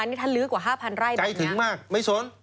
นี่ถ้าลื้อกว่า๕พันไล่แบบนี้ใจถึงมากไม่สน